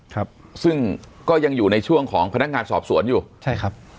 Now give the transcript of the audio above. ครับซึ่งก็ยังอยู่ในช่วงของพนักงานสอบสวนอยู่ใช่ครับ